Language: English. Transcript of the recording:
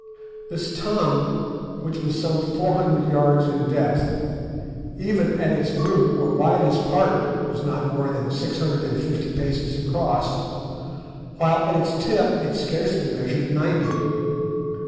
This tongue, which was some four hundred yards in depth, even at its root or widest part was not more than six hundred and fifty paces across, while at its tip it scarcely measured ninety.